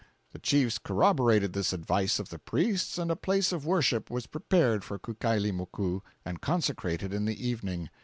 The chiefs corroborated this advice of the priests, and a place of worship was prepared for Kukailimoku, and consecrated in the evening.